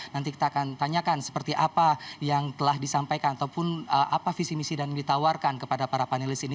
nanti kita akan tanyakan seperti apa yang telah disampaikan ataupun apa visi misi dan ditawarkan kepada para panelis ini